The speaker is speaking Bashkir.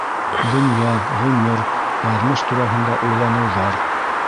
ДОНЪЯ, ҒҮМЕР, ЯҘМЫШ ТУРАҺЫНДА УЙЛАНЫУҘАР